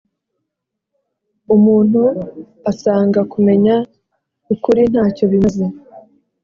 umuntu asanga kumenya ukuri ntacyo bimaze.